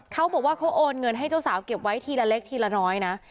เขาบอกว่าเขาโอนเงินให้เจ้าสาวเก็บไว้ทีละเล็กทีละน้อยนะ